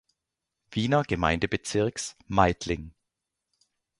Wiener Gemeindebezirks Meidling.